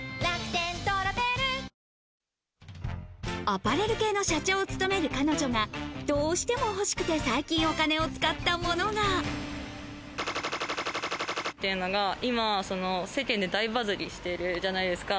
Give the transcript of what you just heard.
アパレル系の社長を勤める彼女がどうしても欲しくて最近お金を使ったものが。っていうのが今、世間で大バズりしているじゃないですか。